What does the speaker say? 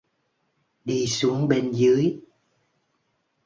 Đi xuống bên dưới